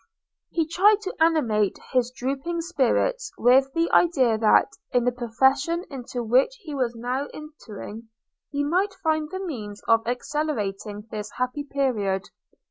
He tried to animate his drooping spirits with the idea that, in the profession into which he was now entering, he might find the means of accelerating this happy period.